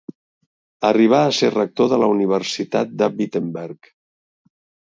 Arribà a ser rector de la Universitat de Wittenberg.